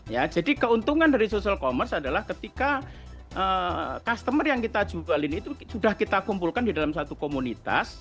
ya jadi keuntungan dari social commerce adalah ketika customer yang kita jualin itu sudah kita kumpulkan di dalam satu komunitas